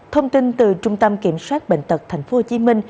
thông tin từ trung tâm kiểm soát bệnh tật tp hcm